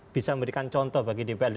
bisa memberikan contoh bagi dprd